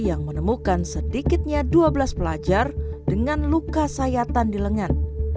yang menemukan sedikitnya dua belas pelajar dengan luka sayatan di lengan